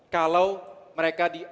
kalau mereka di